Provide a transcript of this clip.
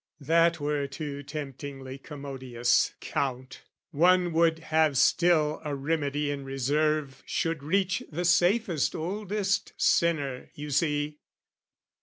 That were too temptingly commodious, Count! One would have still a remedy in reserve Should reach the safest oldest sinner, you see!